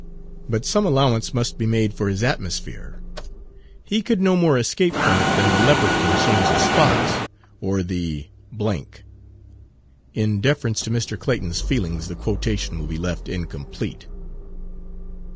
But some allowance must be made for his atmosphere; he could no more escape from it than the leopard can change his spots, or the In deference to Mr. Clayton's feelings the quotation will be left incomplete.